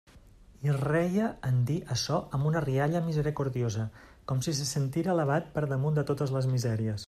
I reia en dir açò amb una rialla misericordiosa, com si se sentira elevat per damunt de totes les misèries.